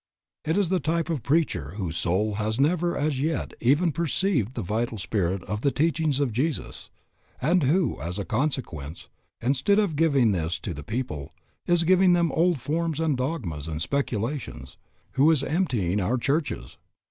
It is the type of preacher whose soul has never as yet even perceived the vital spirit of the teachings of Jesus, and who as a consequence instead of giving this to the people, is giving them old forms and dogmas and speculations, who is emptying our churches.